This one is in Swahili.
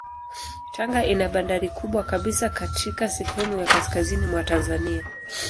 Tanga ina bandari kubwa kabisa katika sehemu ya kaskazini mwa Tanzania.